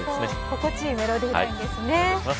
心地よいメロディーラインですね。